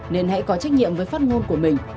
nên hãy có trách nhiệm với phát ngôn của mình